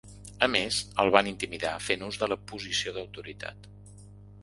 A més, el van intimidar fent ús de la posició d’autoritat.